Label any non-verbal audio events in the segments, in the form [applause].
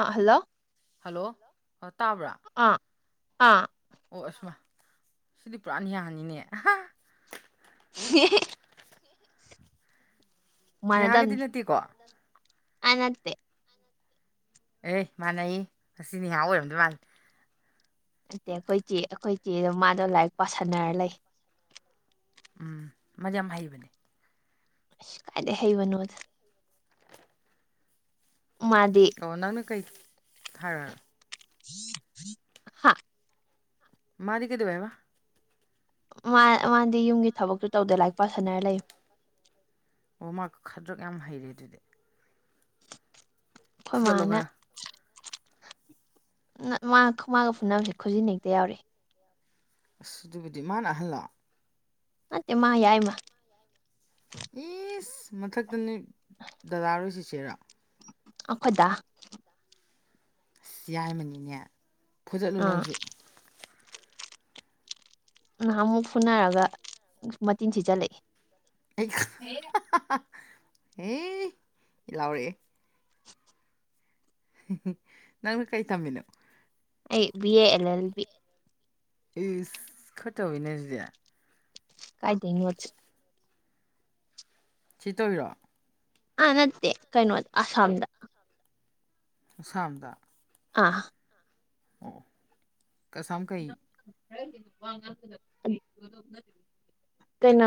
ꯑꯥ hello hello ꯑꯣ ꯇꯥꯕ꯭ꯔꯥ ꯑꯥ ꯑꯥ ꯑꯣ ꯑꯁꯃ ꯁꯤꯗꯤ ꯄꯨꯔꯥꯅꯤꯌꯥꯅꯤꯅꯦ ꯑꯍꯥ [unintelligible] ꯅꯤꯍꯥꯒꯗꯤ ꯃꯅꯗꯝꯅꯤ ꯅꯠꯇꯦꯀꯣ ꯑ ꯅꯠꯇꯦ ꯑꯦ ꯃꯥꯟꯅꯩꯌꯦ ꯑꯁꯤ ꯅꯦꯍꯥ ꯑꯣꯏꯔꯝꯗꯧ ꯃꯥꯜꯂꯤ ꯅꯠꯇꯦ ꯑꯩꯈꯣꯏ ꯆꯦ ꯑꯩꯈꯣꯏ ꯆꯦꯗꯣ ꯃꯥꯗꯣ ꯂꯥꯏꯔꯤꯛ ꯄꯥꯁꯟꯅꯔ ꯂꯩ ꯎꯝ ꯃꯥꯗꯤ ꯌꯥꯝ ꯍꯩꯕꯅꯦ ꯏꯁ ꯀꯥꯏꯗꯒꯤ ꯍꯩꯕꯅꯣꯗ ꯃꯥꯗꯤ ꯑꯣ ꯅꯪꯅ ꯀꯩ ꯊꯥꯔꯛꯔꯣ ꯍꯥ ꯃꯥꯗꯤ ꯀꯩꯗꯧ ꯍꯥꯏꯕ ꯃꯥ ꯃꯥꯗꯤ ꯌꯨꯝꯒꯤ ꯊꯕꯛꯁꯨ ꯇꯧꯗꯦ ꯂꯥꯏꯔꯤꯛ ꯄꯥꯁꯟꯅꯔ ꯂꯩ ꯑꯣ ꯃꯥ ꯈꯗ꯭ꯔꯛ ꯌꯥꯝ ꯍꯩꯔꯦ ꯑꯗꯨꯗꯤ ꯑꯩꯈꯣꯏ ꯐꯨꯗꯠꯂꯣ ꯃꯥꯅ ꯈꯔ ꯅ ꯃꯥ ꯃꯥꯒ ꯈꯃꯥꯒ ꯐꯨꯅꯕꯁꯦ ꯈꯨꯖꯤꯟꯅ ꯍꯦꯛꯇ ꯌꯥꯎꯔꯛꯑꯦ ꯑꯁ ꯑꯗꯨꯕꯨꯗꯤ ꯃꯥꯅ ꯑꯍꯜꯂꫭ ꯅꯠꯇꯦ ꯃꯥ ꯌꯥꯏꯃ ꯑꯦꯁ ꯃꯊꯛꯇꯅꯤ ꯗꯗꯥ ꯔꯣꯏ ꯆꯤꯆꯦꯔꫭ ꯑꯈꯣꯏ ꯗꯥ ꯑꯁ ꯌꯥꯏꯃꯅꯤꯅꯦ ꯐꯨꯗꯠꯂꯨ ꯑꯥ ꯅꯪꯁꯨ ꯅꯍꯥꯟ ꯑꯃꯨꯛ ꯐꯨꯅꯔꯒ ꯃꯇꯤꯟꯁꯤꯆꯜꯂꯛꯏ ꯍ ꯍ ꯏ ꯍꯦ ꯂꯥꯎꯔꯑꯦ ꯅꯪ ꯀꯩ ꯇꯝꯃꯤꯅꯣ ꯑꯩ B A L L B ꯏꯁ ꯈꯔꯥꯇꯧꯏꯅꯦ ꯑꯗꯨꯗꯤ ꯀꯥꯏꯗꯤꯅꫭ ꯏꯠ ꯁꯤ ꯇꯧꯎꯔꯔꯣ ꯑꯥ ꯅꯠꯇꯦ ꯀꯩꯅꯣꯗ ꯑꯁꯥꯝꯗ ꯑꯁꯥꯝꯗ ꯑꯥ ꯀꯁꯥꯝꯈꯩ UNINTELLIGIBLE ꯀꯩꯅꯣ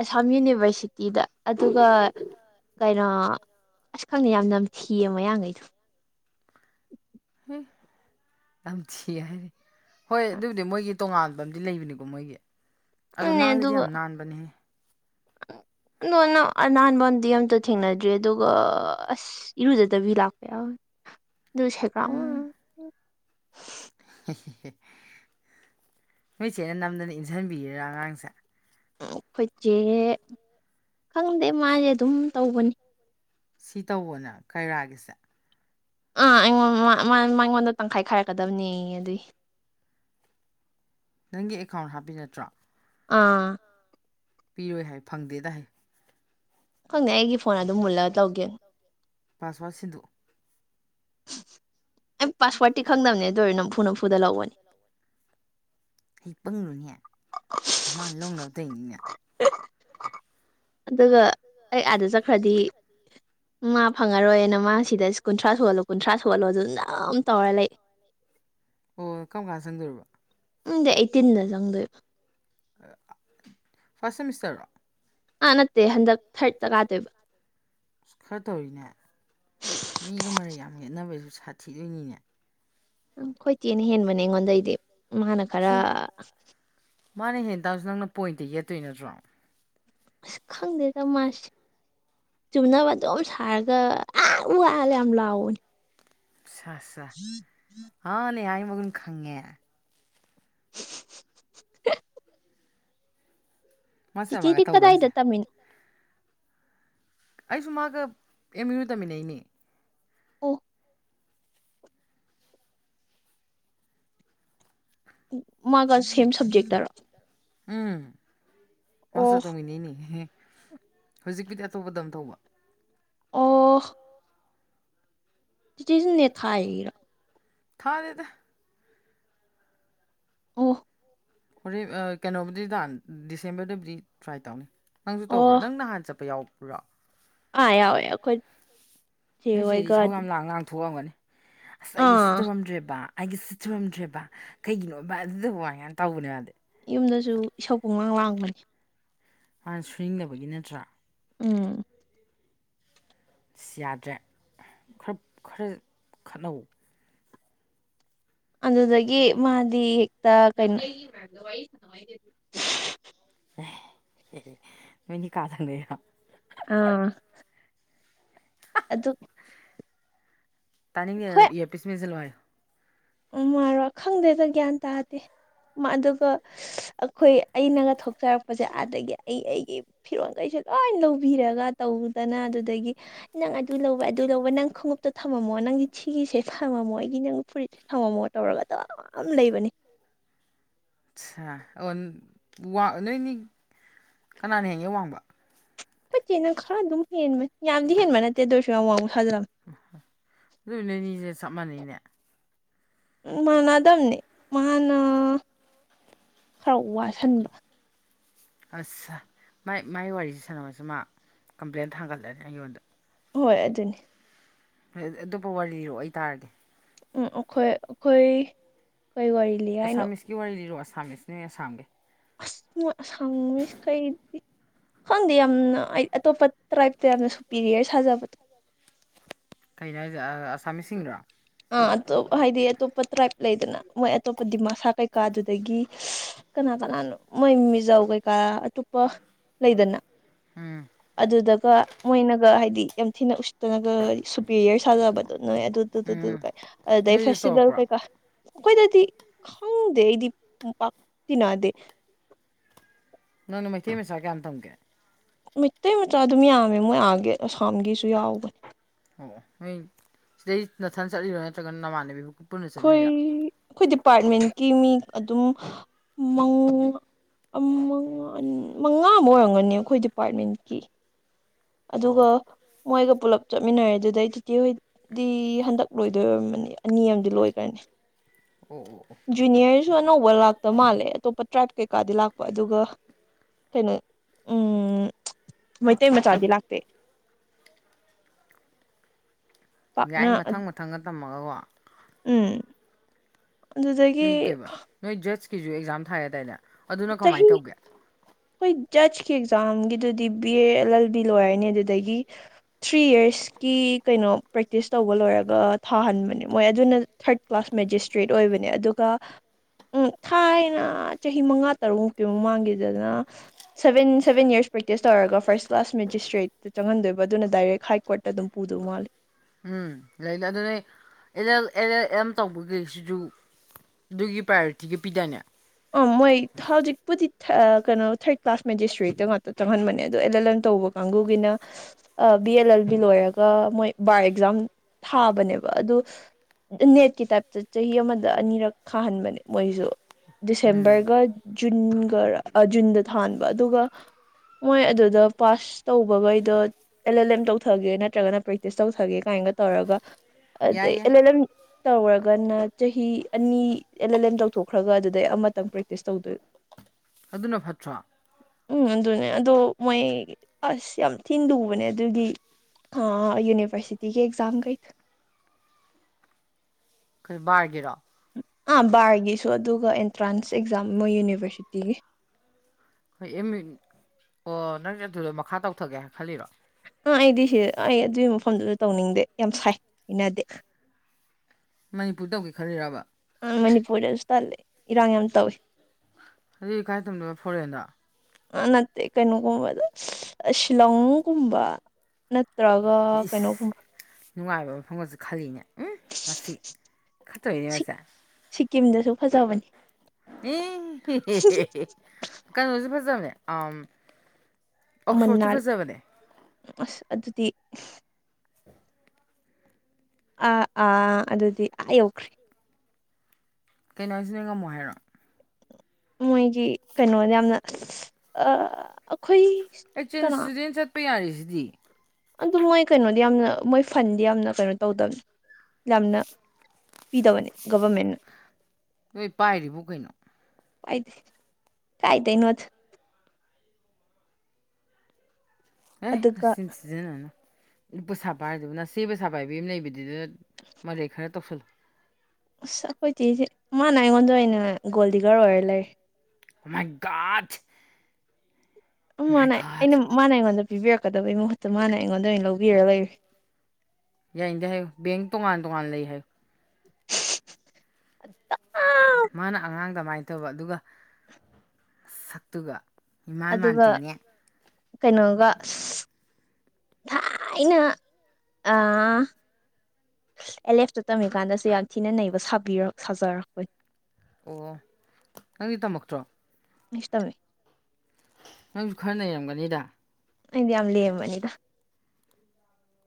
ꯑꯁꯥꯝ ꯌꯨꯅꯤꯕꯔꯁꯤꯇꯤꯗ ꯑꯗꯨꯒ ꯀꯩꯅꯣ ꯑꯁ ꯈꯪꯅ ꯌꯥꯝ ꯅꯝꯊꯤꯌꯦ ꯃꯌꯥꯡꯈꯩꯗꯣ ꯍꯥꯝ ꯅꯥꯝ ꯊꯤ ꯍꯥꯏꯗꯤ ꯍꯣꯏ ꯑꯗꯨꯕꯨꯗꯤ ꯃꯣꯏꯒꯤ ꯇꯣꯉꯥꯟꯕ ꯑꯃꯗꯤ ꯂꯩꯕꯅꯤꯀꯣ ꯃꯣꯏꯒꯤ ꯑꯗꯨ ꯑꯗꯨꯅꯦ ꯅꯥꯜꯂꯗꯤ ꯌꯥꯝ ꯅꯥꯟꯕꯅꯦꯍꯦ ꯅꯣ ꯅ ꯑꯅꯟꯕꯗꯤ ꯑꯝꯇ ꯊꯦꯡꯅꯗ꯭ꯔꯤ ꯑꯗꯨꯒ ꯑꯁ ꯏꯔꯨꯖꯗꯕꯤ ꯂꯥꯛꯄ ꯌꯥꯎꯋꯦ ꯑꯗꯨ ꯁꯦꯒ꯭ꯔꯥꯛ ꯎꯝꯝ ꯍꯦꯍꯦ ꯅꯣꯏꯆꯦꯅ ꯅꯝꯗꯅ ꯏꯟꯁꯤꯟꯕꯤꯔꯔꯥ ꯑꯉꯥꯡꯁꯦ ꯈꯣꯏꯆꯦ ꯈꯪꯗꯦ ꯃꯥꯗꯤ ꯑꯗꯨꯝ ꯇꯧꯕꯅꯤ ꯁꯤ ꯇꯧꯑꯣꯅ ꯀꯥꯢꯔꯥꯒꯤꯁꯦ ꯑꯥ ꯑꯩꯉꯣꯟ ꯃ ꯃꯉꯣꯟꯗ ꯇꯪꯈꯥꯏ ꯈꯥꯏꯔꯛꯀꯗꯕꯅꯦ ꯑꯗꯨꯏ ꯅꯪꯒꯤ ꯑꯦꯀꯥꯎꯟ ꯍꯥꯞꯄꯤ ꯅꯠꯇ꯭ꯔꯣ ꯑꯥ ꯄꯤꯔꯣꯏ ꯍꯥꯏ ꯐꯪꯗꯦꯗ ꯍꯥꯏ ꯈꯪꯗꯦ ꯑꯩꯒꯤ ꯐꯣꯟ ꯑꯗꯨꯝ ꯃꯨꯜꯂꯒ ꯇꯧꯒꯤꯕꯅꯤ ꯄꯥꯁꯁꯋꯥꯔꯗ ꯁꯤꯟꯗꫭꯛꯎ ꯑꯩ ꯄꯥꯁꯋꯥꯔꯗꯠꯇꯤ ꯈꯪꯗꯝꯕꯅꯦ ꯑꯗꯨꯗꯔ ꯅꯝꯐꯨ ꯅꯝꯐꯨꯗ ꯂꯧꯕꯅꯤ ꯍ ꯄꯪꯉꯨꯅꯦ ꯃꯥ ꯂꯧꯅꯕ ꯇꯣꯏꯅꯤꯅꯦ UNINTELLIGIBLE ꯑꯗꯨꯒ ꯑꯩ ꯑꯥꯗ ꯆꯠꯈ꯭ꯔꯗꯤ ꯃꯥ ꯐꯪꯉꯔꯣꯏꯅ ꯃꯥ ꯁꯤꯗ ꯀꯨꯟꯊ꯭ꯔꯥ ꯁꯨꯍꯜꯂꯣ ꯀꯨꯟꯊ꯭ꯔꯥ ꯁꯨꯍꯜꯂꯣ ꯑꯗꯨ ꯅꯝ ꯇꯧꯔ ꯂꯩ ꯑꯣ ꯀꯝ ꯀꯥꯟ ꯆꯪꯗꯣꯏꯔꯤꯕ ꯎꯝꯗꯤ ꯑꯩꯠꯇꯤꯟꯗ ꯆꯪꯗꯣꯏꯕ ꯑꯦ ꯑꯥ ꯐꯥꯔꯁ ꯁꯦꯃꯤꯁꯇꯔꯣ ꯑꯥ ꯅꯠꯇꯦ ꯍꯟꯗꯛ ꯊꯥꯔꯗꯠꯇ ꯀꯥꯗꯣꯏꯕ ꯑꯁ ꯈꯔ ꯇꯧꯔꯤꯅꯦ ꯃꯤꯒ ꯃꯔꯩ ꯌꯥꯝ ꯌꯦꯠꯅꯕꯁꯨ ꯁꯥꯊꯤꯗꯣꯏꯅꯤꯅꯦ ꯎ ꯈꯣꯏꯆꯦꯅ ꯍꯦꯟꯕꯅꯦ ꯑꯩꯉꯣꯟꯗꯩꯗꯤ ꯃꯥꯅ ꯈꯔ ꯍꯤ ꯃꯥꯅ ꯍꯦꯟꯅ ꯇꯥꯔꯁꯨ ꯅꯪꯅ ꯄꯣꯏꯟꯠꯇ ꯌꯦꯠꯇꯣꯏ ꯅꯠꯇ꯭ꯔꯣ ꯑꯁ ꯈꯪꯗꯦꯗ ꯃꯥꯁꯦ ꯆꯨꯝꯅꯕ ꯑꯗꯨꯝ ꯁꯥꯔꯒ ꯑꯥ ꯎꯑ ꯌꯥꯝ ꯂꯥꯎꯕꯅꯤ ꯁꯥꯁꯥ ꯑꯥ ꯅꯦꯌꯥꯏ ꯃꯒꯨꯟ ꯈꯪꯉꯦ ꯃꯥꯁꯇꯔ ꯃꯥꯒ ꯆꯤꯆꯦꯗꯤ ꯇꯧꯕ꯭ꯔꯥ ꯍꯥꯏꯁꯦ ꯀꯗꯥꯏꯗ ꯇꯝꯃꯤꯅꯣ ꯑꯩꯁꯨ ꯃꯥꯒ ꯑꯦꯝ ꯌꯨ ꯇꯝꯃꯤꯟꯅꯩꯅꯦ ꯑꯣ ꯃꯥꯒ ꯁꯦꯝ ꯁꯕꯖꯦꯛꯇꯔꯣ ꯎꯝ ꯑꯣ ꯃꯥꯁꯇꯔ ꯇꯩꯃꯤꯅꯩꯅꯦ ꯑꯦꯍꯦ ꯍꯧꯖꯤꯛꯄꯨꯗꯤ ꯑꯇꯣꯞꯄꯗ ꯑꯝ ꯇꯧꯕ ꯑꯣ ꯆꯤꯆꯦꯖꯨ ꯅꯦꯠ ꯊꯥꯏꯌꯤ ꯔꯣ ꯊꯥꯗꯦꯗ ꯑꯣ ꯍꯣꯔꯦꯞ ꯑ ꯀꯩꯅꯣꯕꯨꯗꯤ ꯊ ꯗꯤꯁꯦꯝꯕꯔꯗꯕꯨꯗꯤ ꯇ꯭ꯔꯥꯏ ꯇꯧꯅꯤ ꯅꯪꯁꯨ ꯇꯧꯕ꯭ꯔꯣ ꯅꯪ ꯅꯍꯥꯟ ꯆꯠꯄ ꯌꯥꯎꯕ꯭ꯔꯣ ꯑ ꯌꯥꯎꯌꯦ ꯑꯈꯣꯏ ꯅꯣꯏꯆꯦꯗꯤ ꯢꯁꯧ ꯌꯥꯝ ꯂꯥꯡ ꯂꯥꯡ ꯊꯣꯛꯑꯝꯒꯅꯤ ꯑꯁ ꯑꯩ ꯁꯤ ꯑꯥ ꯇꯧꯔꯝꯗ꯭ꯔꯦꯕ ꯑꯩꯒꯤ ꯁꯤꯠ ꯇꯧꯔꯝꯗ꯭ꯔꯦꯕ ꯀꯩꯒꯤꯅꯣꯕ ꯑꯗꯨ ꯋꯥꯏꯌꯝ ꯇꯧꯕꯅꯦ ꯃꯗꯤ ꯌꯨꯝꯗꯁꯨ ꯏꯁꯧ ꯄꯨꯡꯂꯥꯡ ꯂꯥꯡꯕꯅꯦ ꯃꯥꯅ ꯁꯨꯅꯤꯡꯗꯕꯒꯤ ꯅꯠꯇ꯭ꯔꯥ ꯎꯝ ꯑꯁ ꯌꯥꯗ꯭ꯔꯦ ꯈꯞ ꯈꯔ ꯈꯠꯅꯧ ꯑꯗꯨꯗꯒꯤ ꯃꯥꯗꯤ ꯍꯦꯛꯇ ꯀꯩꯅꯣ [unintelligible] ꯑ ꯑꯦꯍꯦ ꯅꯣꯏꯅꯤ ꯀꯥ ꯊꯪꯅꯩꯔꯣ ꯑꯥ ꯑꯗꯨꯛ ꯇꯥꯅꯤꯡꯉꯦ ꯏꯌꯥꯔ ꯄꯤꯁ ꯃꯦꯟꯖꯟꯂꯣ ꯍꯥꯏꯌꯣ ꯎꯝ ꯃꯥꯔꯣ ꯈꯪꯗꯦꯗ ꯒ꯭ꯌꯥꯟ ꯇꯥꯗꯦ ꯃ ꯑꯗꯨꯒ ꯑꯩꯈꯣꯏ ꯑꯩꯅꯒ ꯊꯣꯛꯆꯔꯛꯄꯁꯦ ꯑꯥꯗꯒꯤ ꯑꯩ ꯑꯩꯒꯤ ꯐꯤꯔꯣꯟꯈꯩꯁꯦ ꯂꯣꯏ ꯂꯧꯕꯤꯔꯒ ꯇꯧꯗꯅ ꯑꯗꯨꯗꯒꯤ ꯅꯪ ꯑꯗꯨ ꯂꯧꯕ ꯑꯗꯨ ꯂꯧꯕ ꯅꯪ ꯈꯣꯡꯉꯨꯞꯇꯣ ꯊꯝꯃꯝꯃꯣ ꯅꯪꯗꯤꯊꯤꯒꯤꯁꯦ ꯐꯝꯃꯣ ꯑꯩꯒꯤ ꯅꯪ ꯐꯨꯔꯤ ꯊꯝꯝꯃꯣ ꯇꯧꯔꯒ ꯇ ꯑꯃ ꯂꯩꯕꯅꯤ ꯑ ꯑꯣ ꯅꯣꯏꯅꯤ ꯀꯅꯥꯅ ꯍꯡꯒꯦ ꯋꯥꯡꯕ ꯆꯦꯅꯪ ꯈꯔ ꯑꯗꯨꯝ ꯍꯦꯟꯕ ꯌꯥꯝꯗꯤ ꯍꯦꯟꯕ ꯅꯠꯇꯦ ꯑꯗꯨ ꯑꯣꯏꯔꯁꯨ ꯌꯥꯝ ꯋꯥꯡꯅ ꯊ ꯁꯥꯖꯜꯂꯝꯝꯃꯦ ꯑꯗꯨꯏ ꯅꯅꯤꯁꯦ ꯆꯞ ꯃꯥꯟꯅꯩꯅꯦ ꯎ ꯃꯥꯟꯅꯗꯕꯅꯦ ꯃꯥꯅ ꯈꯔ ꯋꯥꯁꯤꯟꯕ ꯑꯁ ꯃꯥꯏ ꯃꯥꯏ ꯋꯥꯔꯤꯁꯦ ꯁꯥꯟꯅꯔꯣꯏꯁꯤ ꯃꯥ ꯀꯝꯄ꯭ꯂꯦꯟ ꯊꯥꯡꯒꯠꯂꯅꯤ ꯑꯩꯉꯣꯟꯗ ꯍꯣꯏ ꯑꯗꯨꯅꯤ ꯑ ꯑꯇꯣꯞꯄ ꯋꯥꯔꯤ ꯂꯤꯔꯣ ꯑꯩ ꯇꯥꯔꯒꯦ ꯎꯝ ꯑꯩꯈꯣꯏ ꯑꯩꯈꯣꯏ ꯀꯩ ꯋꯥꯔꯤ ꯂꯤ ꯍꯥꯏꯅꯣ ꯑꯁꯥꯝꯃꯤꯁꯀꯤ ꯋꯥꯔꯤ ꯂꯤꯔꯣ ꯑꯁꯥꯃꯤꯁ ꯅꯣꯏ ꯑꯁꯥꯝꯒꯤ ꯑꯁ ꯃꯣꯢ ꯑꯁꯥꯝꯃꯤꯁ ꯈꯩꯗꯤ ꯈꯪꯗꯦ ꯌꯥꯝꯅ ꯑꯩ ꯑꯇꯣꯞꯄ ꯇ꯭ꯔꯥꯏꯞꯇ ꯌꯥꯝꯅ ꯁꯨꯄꯤꯔꯤꯌꯥꯔ ꯁꯥꯖꯕꯗꯣ ꯀꯩꯅꯣ ꯍꯥꯏꯁ ꯑꯁꯥꯃꯤꯁꯁꯤꯡꯗꯣ ꯑ ꯑꯇꯣꯞ ꯍꯥꯏꯗꯤ ꯑꯇꯣꯞꯄ ꯇ꯭ꯔꯥꯏꯞ ꯂꯩꯗꯅ ꯃꯣꯏ ꯑꯇꯣꯞꯄ ꯗꯤꯃꯥꯁꯥ ꯀꯩꯀꯥꯗꯨꯗꯒꯤ ꯀꯅꯥ ꯀꯅꯥꯅꯣ ꯃꯣꯏ ꯃꯤꯖꯧ ꯀꯩꯀꯥ ꯑꯇꯣꯞꯄ ꯂꯩꯗꯅ ꯎꯝ ꯑꯗꯨꯗꯒ ꯃꯣꯏꯅꯒ ꯍꯥꯏꯗꯤ ꯌꯥꯝ ꯊꯤꯅ ꯎꯁꯠꯇꯅꯒ ꯁꯨꯄꯦꯔꯤꯌꯔ ꯁꯥꯖꯕꯗ ꯅꯣꯏ ꯑꯗꯨ ꯑꯗꯨ ꯑꯗꯨꯗꯨ ꯎꯝ ꯀꯥꯏ ꯑꯗꯨꯗꯩ ꯅꯣꯏꯗꯁꯨ ꯐꯦꯁꯕꯦꯜ ꯇꯧꯔꯛꯄ꯭ꯔꯣ ꯀꯩ ꯀ ꯑꯩꯈꯣꯏꯗꯗꯤ ꯈꯪꯗꯦ ꯑꯩꯗꯤ ꯄꯥꯛꯇꯤꯟꯅꯗꯦ ꯅꯪꯅ ꯃꯩꯇꯩ ꯃꯆꯥ ꯀꯌꯥꯝ ꯇꯝꯒꯦ ꯃꯩꯇꯩ ꯃꯆꯥ ꯑꯗꯨꯝ ꯌꯥꯝꯃꯦ ꯃꯣꯏ ꯑꯥꯒꯤ ꯑꯁꯥꯝꯒꯤꯁꯨ ꯌꯥꯎꯒꯅꯤ ꯑꯣ ꯅꯣꯏ ꯁꯤꯗꯩ ꯅꯊꯟ ꯆꯠꯂꯤꯔꯣ ꯅꯠꯇ꯭ꯔꯒꯅ ꯅꯃꯥꯟꯅꯕꯤꯕꯨ ꯑꯩꯈꯣꯏ ꯑꯩꯈꯣꯏ ꯗꯤꯄꯥꯔꯠꯃꯦꯟꯀꯤ ꯃꯤ ꯑꯗꯨꯝ ꯃꯉꯥ ꯑꯃ ꯑꯣꯏꯔꯝꯒꯅꯤ ꯑꯩꯈꯣꯏ ꯗꯤꯄꯥꯔꯠꯃꯦꯟꯀꯤ ꯑꯣ ꯑꯗꯨꯒ ꯑꯣ ꯃꯣꯏꯒ ꯄꯨꯂꯞ ꯆꯠꯃꯤꯟꯅꯔꯦ ꯑꯗꯨꯗꯩ ꯇꯇꯤ ꯍ ꯗꯤ ꯍꯟꯗꯛ ꯂꯣꯏꯗꯣꯏꯔꯝꯕꯅꯤ ꯑꯅꯤ ꯑꯃꯗꯤ ꯂꯣꯏꯈ꯭ꯔꯅꯤ ꯑꯣ ꯑꯣ ꯑꯣ ꯖꯨꯅꯤꯌꯔꯁꯨ ꯑꯅꯧꯕ ꯂꯥꯛꯇ ꯃꯥꯜꯂꯦ ꯑꯇꯣꯞꯄ ꯇ꯭ꯔꯥꯏꯞ ꯀꯩꯀꯥꯗꯤ ꯂꯥꯛꯄ ꯑꯗꯨꯒ ꯀꯩꯅꯣ ꯎꯝ ꯃꯩꯇꯩ ꯃꯆꯥꯗꯤ ꯂꯥꯛꯇꯦ ꯌꯥꯏ ꯄꯥꯛꯅ ꯃꯊꯪ ꯃꯊꯪꯒ ꯇꯝꯃꯒꯀꯣ ꯎꯝ ꯑꯗꯨꯗꯒꯤ ꯅꯣꯏ ꯀꯩ ꯅꯣꯏ ꯖꯠꯁꯀꯤꯁꯨ ꯑꯦꯛꯖꯥꯝ ꯊꯥꯏꯦꯇꯥꯅꯦ ꯑꯗꯨꯅ ꯀꯃꯥꯏꯅ ꯇꯧꯒꯦ ꯍꯈꯣꯏ ꯖꯁꯀꯤ ꯑꯦꯛꯖꯥꯝꯒꯤꯗꯨꯗꯤ B A L L B ꯂꯣꯏꯔꯅꯤ ꯑꯗꯨꯗꯒꯤ ꯊ꯭ꯔꯤ ꯌꯔꯁꯀꯤ ꯀꯩꯅꯣ ꯄ꯭ꯔꯦꯛꯇꯤꯁ ꯇꯧꯕ ꯂꯣꯏꯔꯒ ꯊꯥꯍꯟꯕꯅꯦ ꯃꯣꯏ ꯑꯗꯨꯅ ꯊꯔꯠ ꯀ꯭ꯂꯥꯁ ꯃꯦꯖꯤꯁꯇ꯭ꯔꯦꯠ ꯑꯣꯏꯕꯅꯦ ꯑꯗꯨꯒ ꯎꯝ ꯊꯥꯏꯅ ꯆꯍꯤ ꯃꯉꯥ ꯇꯔꯨꯛꯃꯨꯛꯇꯤ ꯃꯃꯥꯡꯒꯤꯗꯅ ꯁꯕꯦꯟ ꯁꯕꯦꯟ ꯌꯔꯁ ꯄ꯭ꯔꯦꯛꯇꯤꯁ ꯇꯧꯔꯒ ꯐꯥꯔꯁ ꯀ꯭ꯂꯥꯁ ꯃꯦꯖꯤꯁꯇ꯭ꯔꯦꯠ ꯑꯗꯨ ꯆꯪꯍꯟꯗꯣꯏꯕ ꯑꯗꯨꯅ ꯗꯥꯏꯔꯦꯛ ꯍꯥꯏ ꯀꯣꯔꯠꯇ ꯑꯗꯨꯝ ꯄꯨꯗꯧ ꯃꯥꯜꯂꯦ ꯎꯝ ꯂꯩꯅ ꯑꯗꯨꯅ ꯑꯦꯂ ꯑꯦꯜ ꯑꯦꯝ ꯇꯧꯕꯒꯤꯁꯤꯁꯨ ꯑꯗꯨꯒꯤ ꯄ꯭ꯔꯥꯏꯌꯣꯔꯤꯇꯤꯒ ꯄꯤꯗꯥꯅꯦ ꯑ ꯃꯣꯏ ꯍꯧꯖꯤꯛꯄꯨꯗꯤ ꯀꯩꯅꯣ ꯊꯥꯔꯠ ꯀ꯭ꯂꯥꯁ ꯃꯦꯗꯤꯁꯇ꯭ꯔꯤꯗ ꯉꯥꯛꯇ ꯆꯪꯟꯕꯅꯦ ꯑꯗꯣ ꯑꯦꯜ ꯑꯦꯜ ꯑꯦꯟ ꯇꯧꯕ ꯃꯪꯒꯨꯒꯤꯅ ꯕꯤ ꯑꯦꯜ ꯑꯦꯜ ꯕꯤ ꯂꯣꯏꯔꯒ ꯃꯣꯏ ꯕꯥꯔ ꯑꯦꯛꯖꯥꯝ ꯊꯥꯕꯅꯦꯕ ꯑꯗꯨ ꯅꯦꯠꯀꯤ ꯇꯥꯏꯞꯇ ꯆꯍꯤ ꯑꯃꯗ ꯑꯅꯤꯔꯛ ꯈꯥꯍꯟꯕꯅꯦ ꯃꯣꯏꯁꯨ ꯎꯝ ꯗꯤꯁꯦꯝꯕꯔꯒ ꯖꯨꯟꯒ ꯖꯨꯟꯗ ꯊꯥꯟꯕ ꯑꯗꯨꯒ ꯃꯣꯏ ꯑꯗꯨꯗ ꯄꯥꯁ ꯇꯧꯕꯈꯩꯗꯣ ꯑꯦꯜ ꯑꯦꯜ ꯑꯦꯝ ꯇꯧꯊꯒꯦ ꯅꯠꯇ꯭ꯔꯒꯅ ꯄ꯭ꯔꯦꯛꯇꯤꯁ ꯇꯧꯊꯒꯦ ꯀꯥꯏꯒ ꯇꯧꯔꯒ ꯌꯥꯏ ꯑꯗꯩ ꯌꯥꯏ ꯑꯦꯜ ꯑꯦꯜ ꯑꯦꯝ ꯇꯧꯔꯒꯅ ꯆꯍꯤ ꯑꯅꯤ ꯑꯦꯜ ꯑꯦꯜ ꯑꯦꯝ ꯇꯧꯊꯣꯛꯈ꯭ꯔꯒ ꯑꯗꯨ ꯑꯗꯩ ꯑꯃꯇꯪ ꯄ꯭ꯔꯦꯛꯇꯤꯁ ꯇꯧꯗꯣꯏ ꯑꯗꯨꯅ ꯐꯠꯇ꯭ꯔꯥ ꯎꯝ ꯑꯗꯨꯅꯦ ꯑꯗꯣ ꯃꯣꯏ ꯑꯁ ꯌꯥꯝ ꯊꯤꯟ ꯂꯨꯕꯅꯦ ꯑꯗꯨꯒꯤ ꯌꯨꯅꯤꯔꯁꯇꯤꯒꯤ ꯑꯦꯖ ꯀꯗ ꯑꯩꯈꯜ ꯕꯥꯔꯒꯤꯔꯣ ꯑꯥ ꯕꯥꯔꯒꯤꯁꯨ ꯑꯗꯨꯒ ꯑꯦꯟꯇ꯭ꯔꯥꯟꯁ ꯑꯦꯛꯖꯥꯝ ꯃꯣꯏ ꯌꯨꯅꯤꯕꯔꯁꯤꯇꯤꯒꯤ ꯍꯣꯏ ꯑꯦꯝ ꯏ ꯑꯣ ꯅꯪ ꯑꯗꯨꯗ ꯃꯈꯥ ꯇꯧꯊꯒꯦꯅ ꯈꯜꯂꯤꯔꯣ ꯑꯥ ꯑꯩꯗꯤ ꯁꯤ ꯑꯩ ꯑꯗꯨꯒꯤ ꯃꯐꯝꯗꯨꯁꯨ ꯇꯧꯅꯤꯡꯗꯦ ꯌꯥꯝ ꯁꯥꯏ ꯑꯩꯅꯗꯦ ꯃꯅꯤꯄꯨꯔ ꯇꯧꯒꯦ ꯈꯜꯂꯤꯔꯕ ꯑ ꯃꯅꯤꯄꯨꯔꯗꯁꯨ ꯇꯜꯂꯦ ꯏꯔꯥꯡ ꯌꯥꯝ ꯇꯧꯏꯤ ꯍꯧꯖꯤꯗꯤ ꯏ ꯀꯥꯏ ꯇꯝꯅꯣꯏꯕ ꯐꯣꯔꯦꯟꯗ ꯅꯠꯇꯦ ꯀꯩꯅꯣꯒꯨꯝꯕꯗ ꯁꯤꯂꯣꯡꯅꯨꯡꯒꯨꯝꯕ ꯅꯠꯇ꯭ꯔꯒ ꯏꯁ ꯀꯩꯅꯣꯒꯨꯝꯕ ꯅꯨꯡꯉꯥꯏꯕ ꯃꯐꯝꯒꯁꯨ ꯈꯜꯂꯤꯅꯦ ꯎꯝ ꯃꯁꯤ ꯈꯠꯇꯣꯣꯏꯅꯦ ꯃꯁꯦ ꯁꯤꯀꯤꯝꯗꯁꯨ ꯐꯖꯕꯅꯤ ꯏ ꯀꯩꯅꯣꯁꯨꯦ ꯐꯖꯕꯅꯦ ꯑ ꯃꯅꯥꯜ ꯑꯁ ꯑꯗꯨꯗꯤ ꯑꯥ ꯑꯥ ꯑꯗꯨꯗꯤ ꯑꯥ ꯌꯧꯈ꯭ꯔꯦ ꯀꯩꯅꯣ ꯍꯥꯏꯁꯤꯅ ꯉꯝꯃꯣ ꯍꯥꯏꯔꯣ ꯃꯣꯏꯒꯤ ꯀꯩꯅꯣꯗ ꯌꯥꯝꯅ ꯑꯩ ꯀꯅꯥ ꯆꯦꯟꯁꯇꯗꯦꯟ ꯆꯠꯄ ꯌꯥꯔꯤꯁꯤꯗꯤ ꯑꯗꯨ ꯃꯣꯏ ꯀꯩꯅꯣꯗꯤ ꯌꯥꯝꯅ ꯃꯣꯏ ꯐꯟꯗꯤ ꯌꯥꯝꯅ ꯀꯩꯅꯣ ꯇꯧꯗꯕꯅꯤ ꯌꯥꯝꯅ ꯄꯤꯗꯕꯅꯦ ꯒꯕꯔꯃꯦꯦꯟꯟꯅ ꯅꯣꯏ ꯄꯥꯏꯔꯤꯕꯨ ꯀꯩꯅꯣ ꯀꯥꯏꯗ ꯀꯥꯏꯗꯩꯅ ꯑꯦ ꯑꯗꯨꯒ ꯁꯤꯟꯁꯤꯖꯅꯅꯕꯨ ꯁꯥꯥꯕ ꯍꯥꯏꯗꯨ ꯁꯤꯦꯕꯨ ꯁꯥꯕ ꯍꯥꯏꯕ ꯂꯩꯕꯗꯨꯗ ꯃꯥꯦꯈꯔ ꯇꯞꯁꯜ ꯑꯁ ꯑꯩꯈꯣꯏꯗꯤꯤꯦ ꯃꯥꯅ ꯑꯩꯉꯣꯟꯗ ꯑꯩꯅ ꯒꯣꯜꯗꯤꯒꯔ ꯑꯣꯏꯔ ꯂꯩꯔꯦ ꯃꯥꯏ ꯒꯥꯁ ꯝ ꯃꯥꯅ ꯑꯩꯅ ꯃꯥꯅ ꯑꯩꯉꯣꯟꯗ ꯄꯤꯕꯤꯔꯛꯀꯗꯕꯩ ꯃꯍꯨꯠꯇ ꯃꯥꯅ ꯑꯩꯉꯣꯟꯗ ꯑꯣꯏꯅ ꯂꯧꯕꯤꯔꯒ ꯂꯩꯔꯤ ꯌꯥ ꯀꯗ ꯍꯥꯏ ꯦꯡꯛ ꯇꯕꯥꯟ ꯇꯉ ꯂꯩ ꯍꯥꯏ ꯃꯥꯅ ꯑꯉꯥꯡ ꯀꯃꯥꯏꯅ ꯇꯧꯕ ꯑꯗꯨꯒ ꯁꯛꯇꯨꯒ ꯏꯃꯥꯟ ꯑꯗꯨꯒ ꯃꯥꯟꯗꯦꯅꯦ ꯀꯩꯅꯣꯒ ꯊꯥꯏꯅ ꯑ ꯑꯦꯂꯦꯐꯇ ꯇꯝꯃꯤꯀꯥꯟꯗꯁꯨ ꯌꯥꯝ ꯊꯤꯅ ꯅꯩꯕꯕꯤꯔ ꯁꯥꯖꯔꯛꯄꯅꯤ ꯑꯣ ꯅꯪꯗꯤ ꯇꯝꯃꯛꯇ꯭ꯔꯣ ꯏꯁꯃꯦ ꯅꯪꯁꯨ ꯈꯔ ꯅꯩꯔꯝꯒꯅꯤꯗ ꯑꯗꯤ ꯌꯥꯝ ꯂꯦꯝꯕꯅꯤꯗ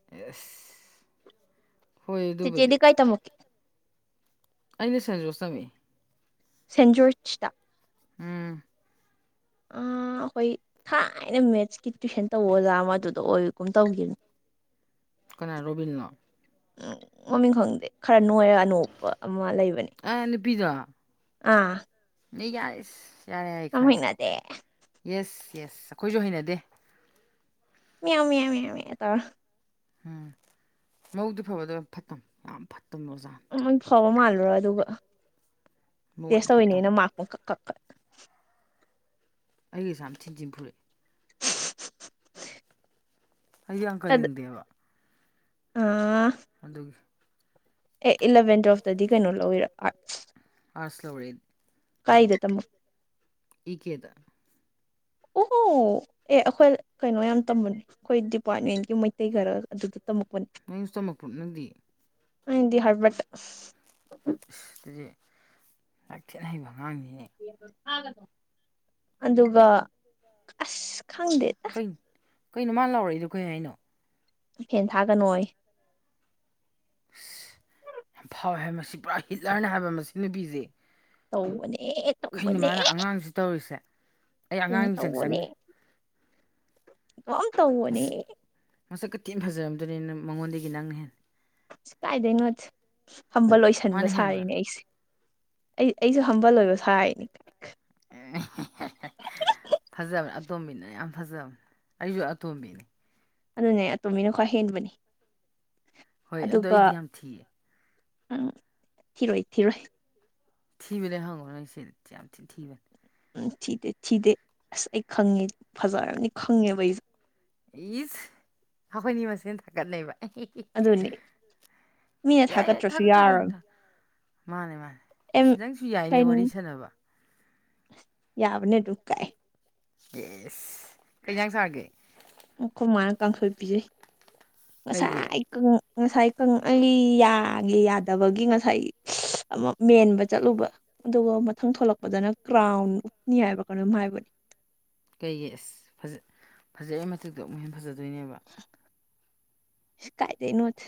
ꯌꯦꯁ ꯇꯆꯦꯗꯤ ꯀꯥꯏ ꯇ ꯃꯛꯦ ꯑꯩꯅ ꯁꯟꯖꯣꯁ ꯇꯝꯃꯤ ꯁꯦꯟꯖꯣꯔꯇ ꯎꯝ ꯑ ꯑꯩꯈꯣꯏ ꯊꯥꯏꯅ ꯃꯦꯠꯁꯀꯤ ꯇꯨꯋꯏꯁꯟ ꯇꯧ ꯑꯣꯖꯥ ꯃꯗꯨꯗ ꯑꯣꯏꯒꯨꯝ ꯇꯧꯈꯤꯕꯅꯦ ꯀ ꯔꯣꯕꯤꯟꯅ ꯎ ꯃꯃꯤꯡ ꯈꯪꯗꯦ ꯈꯔ ꯅꯣꯏꯔꯒ ꯑ ꯅꯨꯄꯤꯗ ꯑꯥ ꯃꯤ ꯀꯁ ꯌꯥꯔꯦ ꯌꯥꯔ ꯌꯥꯝ ꯈꯪꯒꯦ ꯍꯩꯅꯗꯦ ꯌꯦꯁ ꯌꯦꯁ ꯑꯩꯈꯣꯏꯁꯨ ꯍꯩꯅꯗꯦ ꯌꯥꯝ ꯌꯥꯝ ꯌꯥꯝ ꯇ ꯎꯝ ꯃꯧꯗꯤ ꯐꯕꯗ ꯌꯥꯝ ꯐꯠꯇ ꯌꯥꯝ ꯐꯠꯇꯕ ꯑꯣꯖꯥꯅꯤ ꯐꯥꯎꯕ ꯃꯥꯜꯂꯨꯔꯣ ꯑꯗꯨꯒ ꯃꯧ ꯇꯦꯁ ꯌꯥꯝ ꯇꯧꯔꯤꯅꯦ ꯐꯠꯇꯝ ꯑꯅ ꯃꯥꯔꯛ ꯄꯨꯛ ꯀꯛ ꯀꯛ ꯀꯛ ꯑꯩꯒꯤꯁꯥ ꯌꯥꯝ ꯊꯤꯟꯖꯤꯟ ꯐꯨꯨꯔꯛꯏ ꯑꯩꯗꯤ ꯑꯪꯀꯥ ꯑꯗ ꯂꯤꯡꯗꯦꯕ ꯑꯥ ꯑꯗꯨꯒꯤ ꯑꯦ ꯏꯂꯚꯦꯟ ꯇꯨꯋꯦꯜꯐꯇꯗꯤ ꯀꯩꯅꯣ ꯂꯧꯋꯔ ꯑꯥꯠ ꯑꯁꯂ ꯎꯔꯤ ꯀꯥꯏꯗ ꯇꯃ ꯏ ꯀꯦꯗ ꯑꯣꯍꯣ ꯑꯦ ꯑꯩꯈꯣꯏ ꯀꯩꯅꯣ ꯌꯥꯝ ꯇꯝꯕꯅꯦ ꯑꯩꯈꯣꯏ ꯗꯤꯄꯥꯔꯠꯃꯦꯟꯒꯤ ꯃꯩꯇꯩ ꯈꯔ ꯑꯗꯨꯗ ꯇꯝꯃꯛꯄꯅꯦ ꯅꯪ ꯏꯁꯇꯃꯛꯄ꯭ꯔꯠ ꯅꯪꯗꯤ ꯑꯗꯤ ꯍꯥꯏꯔꯕꯠ ꯑꯗꯨꯗꯤ ꯉꯥꯛꯊꯤꯠꯅ ꯍꯩꯕ ꯑꯉꯥꯡꯅꯤ ꯑꯗꯨꯒ ꯑꯁ ꯈꯪꯗꯦ ꯀꯩꯅꯣ ꯀꯩꯅꯣ ꯃꯥ ꯂꯥꯎꯔꯛꯏꯗꯣ ꯀꯩ ꯍꯥꯏꯅꯣ ꯐꯦꯟ ꯊꯥꯒꯅꯣꯏ ꯑꯁ ꯌꯥꯝ ꯐꯥꯎꯋꯦ ꯍꯥꯏꯕ ꯃꯁꯤ ꯄꯨꯔꯥ ꯍꯤꯠꯂꯔꯅꯦ ꯍꯥꯏꯕ ꯃꯁꯤ ꯅꯨꯄꯤꯁꯦ ꯇꯧꯕꯅꯦ ꯈꯩꯅ ꯇꯧꯕꯅꯦ ꯃꯥꯅ ꯑꯉꯥꯡꯁꯤ ꯇꯧꯔꯤꯁꯦ ꯑꯩ ꯑꯗꯨꯅꯦ ꯑꯉꯥꯡ ꯃꯤꯆꯪ ꯆꯪꯉꯤ ꯀꯥꯎ ꯇꯅꯦ ꯃꯁꯛ ꯈ ꯊꯤꯅ ꯐꯖꯔꯝꯗꯅꯤ ꯅꯪ ꯃꯉꯣꯟꯗꯒꯤ ꯅꯪꯅ ꯍꯦꯟꯅ ꯀꯥꯏꯗꯩꯅꯣꯠꯇ ꯐꯝꯕ ꯃꯥꯅ ꯂꯣꯏꯁꯟꯕ ꯍꯦꯟꯕ꯭ꯔꯥ ꯁꯥꯔꯤꯅꯦ ꯑꯩꯁꯦ ꯑꯩ ꯑꯩꯁꯨ ꯍꯝꯕꯜꯂꯣꯏꯕ ꯁꯥꯅꯤ ꯎ ꯐꯖꯕꯅꯦ ꯑꯇꯣꯝꯕꯤꯅ ꯌꯥꯝ ꯐꯖꯕꯅꯦ ꯑꯩꯁꯨ ꯑꯇꯣꯝꯕꯤꯅꯤ ꯑꯗꯨꯅꯦ ꯑꯇꯣꯝꯕꯤꯅ ꯈ꯭ꯋꯥꯏ ꯍꯦꯟꯕꯅꯤ ꯍꯣꯏ ꯑꯗꯣ ꯑꯗꯨꯒ ꯑꯩꯗꯤ ꯌꯥꯝ ꯊꯤꯌꯦ ꯎꯝ ꯊꯤꯔꯣꯏ ꯊꯤꯔꯣꯏ ꯊꯤꯕꯅꯦ ꯍꯪꯕ ꯅꯪ ꯁꯤꯗꯤ ꯌꯥꯝ ꯊꯤꯅ ꯊꯤꯕꯅꯦ ꯎꯝ ꯊꯤꯗꯦ ꯊꯤꯗꯦ ꯑꯁ ꯑꯩ ꯈꯪꯉꯦ ꯐꯖꯥꯔꯝꯅꯤ ꯈꯪꯉꯦꯕ ꯑꯩꯁꯦ ꯏꯁ ꯑꯩꯈꯣꯏꯅꯤ ꯃꯁꯦꯟ ꯊꯥꯀꯠꯅꯩꯕ ꯌꯥꯏ ꯑꯗꯨꯅꯦ ꯃꯤꯅ ꯌꯥꯏ ꯊꯥꯒꯠꯇ꯭ꯔꯁꯨ ꯊꯥꯒꯠꯀꯗꯕꯅꯤ ꯊ ꯃꯥꯅꯦ ꯃꯥꯅꯦ ꯑ ꯑꯁ ꯅꯪꯁꯨ ꯌꯥꯏꯅꯦ ꯀꯩꯅ ꯋꯥꯔꯤ ꯁꯥꯟꯅꯕ ꯌꯥꯕꯅꯦ ꯑꯗꯨꯝ ꯀꯥꯏ ꯏꯁ ꯀꯩ ꯍꯖꯥꯡ ꯆꯥꯔꯒꯦ ꯑꯩꯈꯣꯏ ꯃꯥꯅ ꯀꯥꯡꯈꯣꯏ ꯄꯤꯖꯩ ꯀꯩꯒꯤ ꯉꯁꯥꯏ ꯉꯁꯥꯏ ꯀꯪꯂꯤ ꯌꯥꯒꯤ ꯌꯥꯗꯕꯒꯤ ꯉꯁꯥꯏ ꯑꯃ ꯃꯦꯟꯕ ꯆꯠꯂꯨꯕ ꯑꯗꯨꯒ ꯃꯊꯪ ꯊꯂꯛꯄꯗꯅ ꯀ꯭ꯔꯥꯎꯟ ꯎꯞꯅꯤ ꯍꯥꯏꯕ ꯀꯩꯅꯣꯝ ꯍꯥꯏꯕꯅꯤ ꯀꯩꯒꯤ ꯑꯁ ꯐꯖ ꯐꯖꯩ ꯃꯊꯛꯇ ꯑꯃꯨꯛ ꯍꯦꯟꯅ ꯐꯖꯗꯣꯏꯅꯦꯕ ꯀꯥꯏꯗꯩꯅꯣꯗ